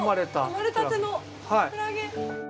生まれたてのクラゲ。